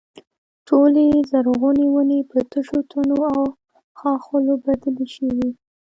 ټولې زرغونې ونې په تشو تنو او ښاخلو بدلې شوې.